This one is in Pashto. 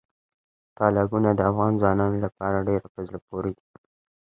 تالابونه د افغان ځوانانو لپاره ډېره په زړه پورې دي.